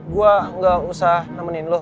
gue gak usah nemenin lo